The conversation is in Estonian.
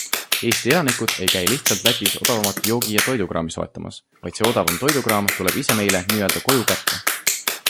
Eesti elanikud ei käi lihtsalt Lätis odavamat joogi- ja toidukraami soetamas, vaid see odavam toidukraam tuleb ise meile n-ö koju kätte.